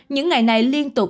những ngày này liên tục